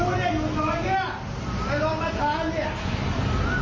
คุณเนี่ยอยู่ตรงเนี่ยในโรงประทานเนี่ย